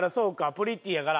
『プリティ』やから。